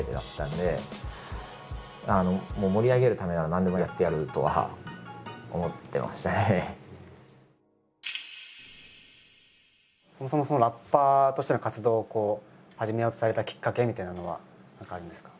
自分にとってもそもそもラッパーとしての活動を始めようとされたきっかけみたいなのは何かあるんですか？